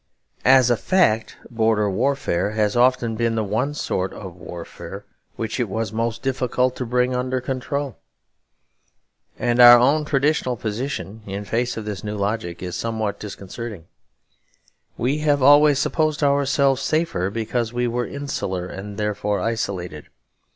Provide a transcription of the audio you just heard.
As a fact, border warfare has often been the one sort of warfare which it was most difficult to bring under control. And our own traditional position in face of this new logic is somewhat disconcerting. We have always supposed ourselves safer because we were insular and therefore isolated.